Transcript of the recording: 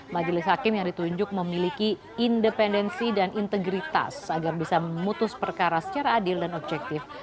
majelis hakim yang ditunjuk memiliki independensi dan integritas agar bisa memutus perkara secara adil dan objektif